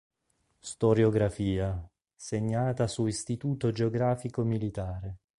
Storiografia: Segnata su Istituto Geografico Militare.